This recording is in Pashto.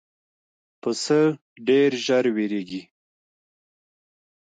پسه ډېر ژر وېرېږي.